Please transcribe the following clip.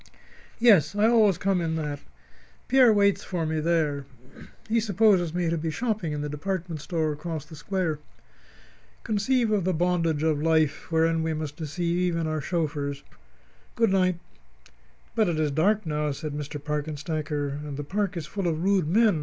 "Yes. I always come in that. Pierre waits for me there. He supposes me to be shopping in the department store across the square. Conceive of the bondage of the life wherein we must deceive even our chauffeurs. Good night." "But it is dark now," said Mr. Parkenstacker, "and the park is full of rude men.